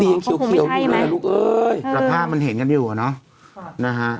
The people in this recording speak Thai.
เขาคงไม่ให้ไหมลูกเอ้ยแต่ภาพมันเห็นกันอยู่อะเนอะนะฮะ